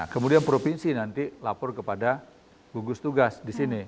kemudian provinsi nanti lapor kepada gugus tugas disini